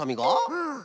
うん。